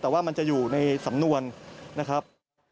แต่ว่ามันจะอยู่ในสำนวนนะครับ